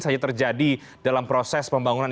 saja terjadi dalam proses pembangunan